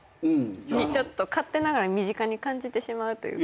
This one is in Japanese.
勝手ながら身近に感じてしまうというか。